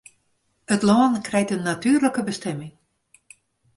It lân krijt in natuerlike bestimming.